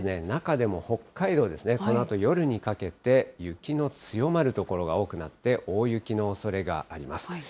中でも北海道ですね、このあと夜にかけて、雪の強まる所が多くなって、大雪のおそれがあります。